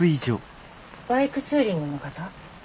バイクツーリングの方？